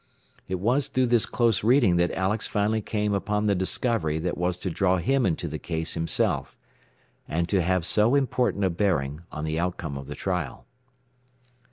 It was through this close reading that Alex finally came upon the discovery that was to draw him into the case himself, and to have so important a bearing on the outcome of the trial.